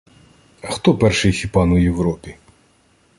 А хто перший хіпан у Європі?